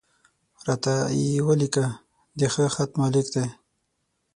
را ته یې ولیکه، د ښه خط مالک دی.